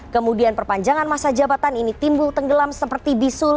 kemudian perpanjangan masa jabatan ini timbul tenggelam seperti bisul